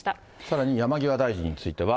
さらに山際大臣については。